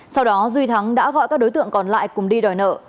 sau đó duy thắng đã gọi các đối tượng còn lại cùng đi đòi nợ